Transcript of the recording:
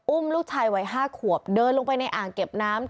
ลูกชายวัย๕ขวบเดินลงไปในอ่างเก็บน้ำ